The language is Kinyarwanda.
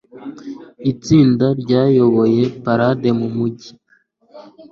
Itsinda ryayoboye parade mu mujyi.